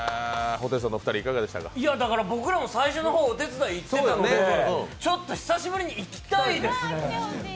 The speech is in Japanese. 僕らも最初の方お手伝い行ってたのでちょっと久しぶりに行きたいですね。